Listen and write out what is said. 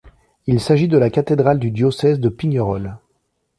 Il s'agit de la cathédrale du diocèse de Pignerol.